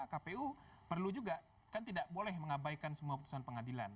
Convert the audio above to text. kpu perlu juga kan tidak boleh mengabaikan semua putusan pengadilan